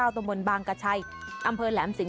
ตะบนบางกระชัยอำเภอแหลมสิง